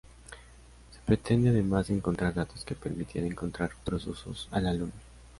Se pretende, además, encontrar datos que permitan encontrar futuros usos a la Luna.